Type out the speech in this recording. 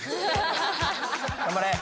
頑張れ！